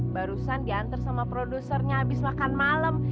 barusan diantar sama produsernya habis makan malam